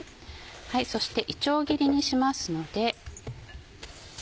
そしていちょう切りにしますので。